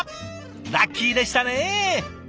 ラッキーでしたね。